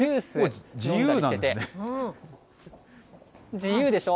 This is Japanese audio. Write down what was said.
自由でしょう。